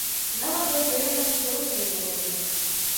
Нават раздае нам даручэнні розныя.